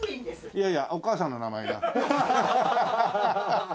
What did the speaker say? いやいやお母さんの名前。